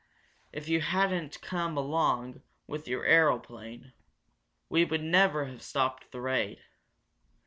If you hadn't come along with your aeroplane, we would never have stopped the raid.